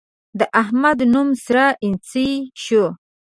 د احمد نوم سره اينڅۍ شو.